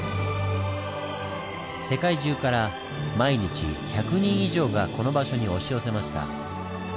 世界中から毎日１００人以上がこの場所に押し寄せました。